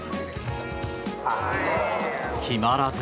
決まらず。